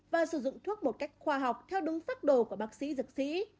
và sử dụng thuốc một cách khoa học theo đúng phác đồ của bác sĩ dược sĩ